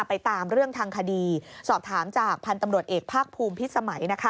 ไปตามเรื่องทางคดีสอบถามจากพันธุ์ตำรวจเอกภาคภูมิพิษสมัย